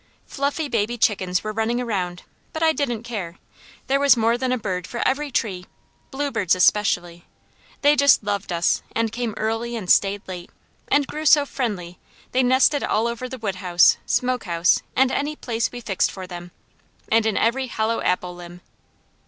Fluffy baby chickens were running around, but I didn't care; there was more than a bird for every tree, bluebirds especially; they just loved us and came early and stayed late, and grew so friendly they nested all over the wood house, smoke house, and any place we fixed for them, and in every hollow apple limb.